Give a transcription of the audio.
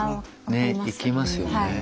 ねできますよね。